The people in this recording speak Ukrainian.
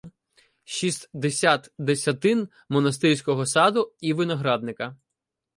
— Шістдесят десятин монастирського саду і виноградинка.